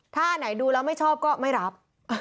ถ้าอันไหนดูแล้วไม่ชอบก็ไม่รับ